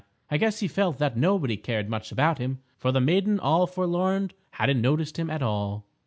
I guess he felt that nobody cared much about him for the Maiden All Forlorn hadn't noticed him at all.